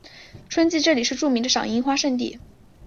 春季这里是著名的赏樱花胜地。